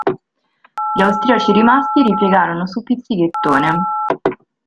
Gli Austriaci rimasti ripiegarono su Pizzighettone.